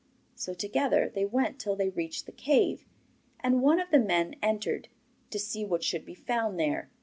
So together they went till they reached the cave, and one of the men entered, to see what should be found there.